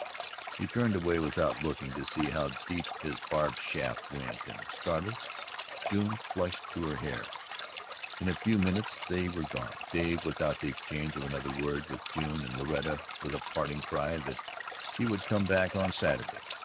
He turned away without looking to see how deep his barbed shaft went and, startled, June flushed to her hair. In a few minutes they were gone Dave without the exchange of another word with June, and Loretta with a parting cry that she would come back on Saturday.